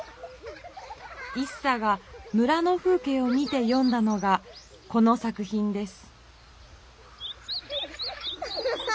一茶が村の風けいを見てよんだのがこの作ひんです。